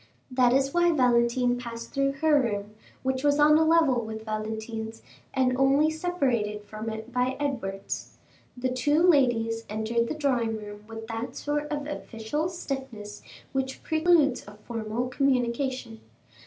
That is why Valentine passed through her room, which was on a level with Valentine's, and only separated from it by Edward's. The two ladies entered the drawing room with that sort of official stiffness which preludes a formal communication.